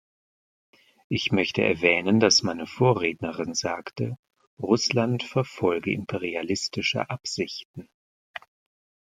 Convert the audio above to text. Ich möchte erwähnen, dass meine Vorrednerin sagte, Russland verfolge imperialistische Absichten.